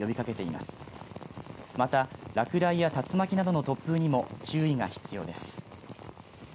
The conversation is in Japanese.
また落雷や竜巻などの突風にも注意が必要です。